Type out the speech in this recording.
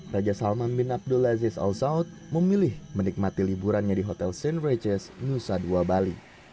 raja salman bin abdulaziz al saud memilih menikmati liburannya di hotel st regis nusa dua bali